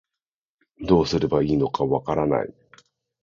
どうすればいいのかわからない